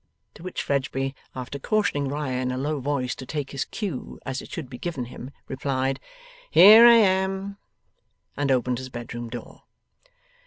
To which Fledgeby, after cautioning Riah in a low voice to take his cue as it should be given him, replied, 'Here I am!' and opened his bedroom door.